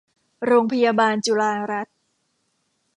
โรงพยาบาลจุฬารัตน์